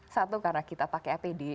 satu karena kita pakai apd